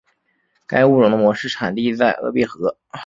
该物种的模式产地在鄂毕河。